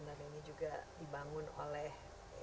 dan ini juga dibangun oleh